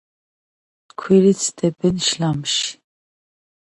ქვირითს დებენ შლამში.